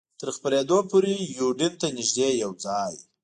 تر خپرېدو پورې یوډین ته نږدې یو ځای.